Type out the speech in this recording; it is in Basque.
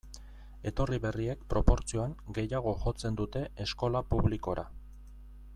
Etorri berriek, proportzioan, gehiago jotzen dute eskola publikora.